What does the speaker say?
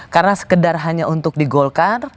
karena sekedar hanya untuk digolkan